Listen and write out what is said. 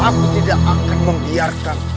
aku tidak akan membiarkan